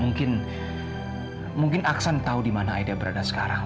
mungkin mungkin aksan tahu dimana aida berada sekarang